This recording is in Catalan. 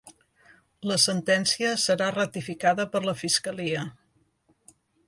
La sentència serà ratificada per la fiscalia